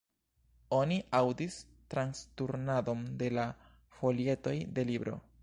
Oni aŭdis transturnadon de la folietoj de libro.